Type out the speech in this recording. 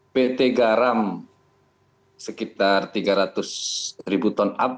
pt garam sekitar tiga ratus ribu ton